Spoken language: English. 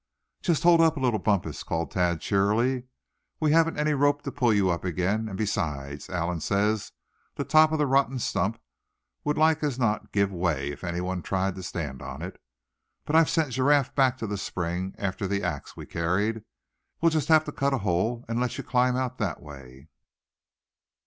"Just hold up a little, Bumpus," called Thad, cheerily. "We haven't any rope to pull you up again; and besides, Allan says the top of the rotten stump would like as not give way, if anybody tried to stand on it. But I've sent Giraffe back to the spring after the ax we carried. We'll just have to cut a hole, and let you climb out that way."